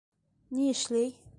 Ни эшләй?